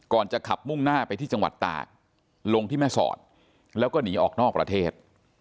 จะขับมุ่งหน้าไปที่จังหวัดตากลงที่แม่สอดแล้วก็หนีออกนอกประเทศ